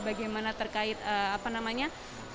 bagaimana terkait apa namanya